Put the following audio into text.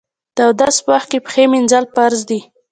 د اودس په وخت کې پښې مینځل فرض دي.